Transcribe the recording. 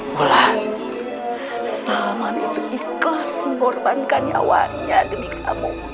wulan salman itu ikhlas mengorbankan nyawanya demi kamu